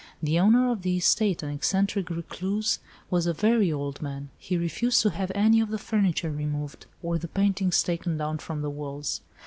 The owner of the estate, an eccentric recluse, was a very old man. He refused to have any of the furniture removed, or the paintings taken down from the walls.